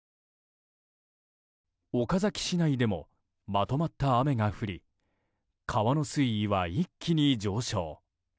岡崎市内でもまとまった雨が降り川の水位は一気に上昇。